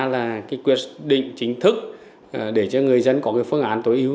là quyết định chính thức để cho người dân có phương án tối ưu